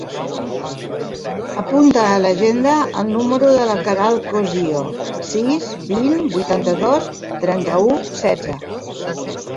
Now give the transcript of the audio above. Apunta a l'agenda el número de la Queralt Cosio: sis, vint, vuitanta-dos, trenta-u, setze.